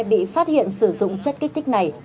bị phát hiện sử dụng chất kích thích này